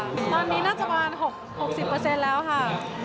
ตอนนี้น่าจะประมาณ๖๐แล้วค่ะ